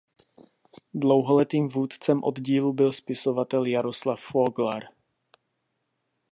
Dlouholetým vůdcem oddílu byl spisovatel Jaroslav Foglar.